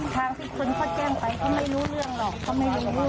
ทางที่คนเขาแจ้งไปเขาไม่รู้เรื่องหรอกเขาไม่รู้